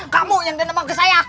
kamu yang berantem dengan saya